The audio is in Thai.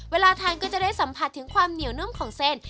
เวลาทานก็จะได้สัมผัสถึงความเหนียวนุ่มของเส้น